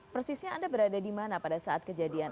persisnya anda berada di mana pada saat kejadian